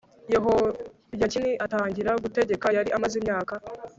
yehoyakini atangira gutegeka yari amaze imyaka